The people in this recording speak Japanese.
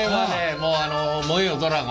もう「燃えよドラゴン」。